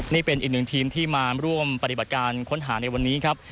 นี่เป็นอีกหนึ่งทีมที่มาร่วมปฏิบัติการค้นหาในวันนี้ครับ